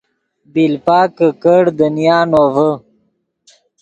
بیلپک کہ کڑ دنیا نوڤے